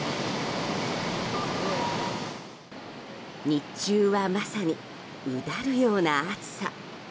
日中はまさにうだるような暑さ。